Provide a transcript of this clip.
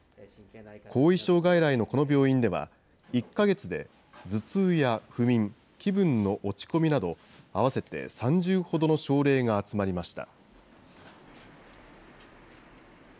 後遺症外来のこの病院では、１か月で頭痛や不眠、気分の落ち込みなど、合わせて３０ほどの症例が集まりました。